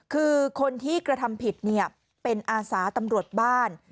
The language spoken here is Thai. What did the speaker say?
คือคนที่กระทำผิดเป็นอาสาตำรวจบ้าน